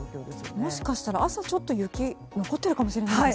もしかしたら朝、ちょっと雪が残っているかもしれないですね。